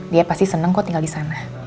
dia pasti seneng kok tinggal disana